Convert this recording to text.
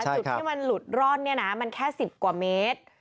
จุดที่มันหลุดร่อนเนี่ยนะมันแค่๑๐กว่าเมตร